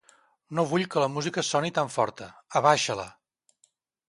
No vull que la música soni tan forta, abaixa-la.